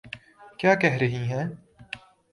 کیا کہہ رہی ہیں۔